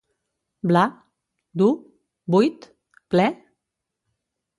Bla? dur? buit? ple?